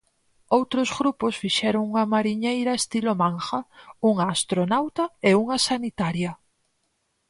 Outros grupos fixeron unha mariñeira estilo manga, unha astronauta e unha sanitaria.